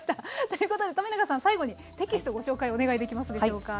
ということで冨永さん最後にテキストご紹介お願いできますでしょうか。